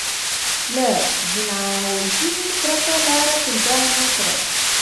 له ځانوژنې پرته لاره پیدا نه کړي